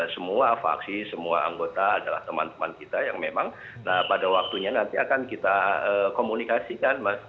semua vaksi semua anggota adalah teman teman kita yang memang pada waktunya nanti akan kita komunikasikan mas